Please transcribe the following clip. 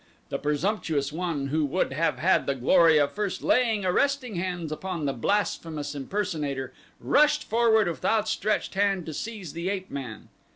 The presumptuous one who would have had the glory of first laying arresting hands upon the blasphemous impersonator rushed forward with outstretched hand to seize the ape man.